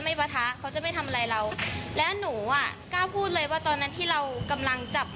ไม่เว้นแม้แต่ผู้หญิงฮะ